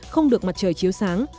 không được mặt trời chiếu sáng